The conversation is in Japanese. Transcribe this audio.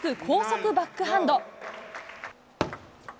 高速バックハンド。